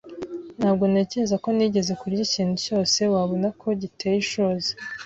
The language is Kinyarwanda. Ntabwo ntekereza ko nigeze kurya ikintu cyose wabona ko giteye ishozi.